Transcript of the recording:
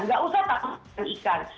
nggak usah takut makan ikan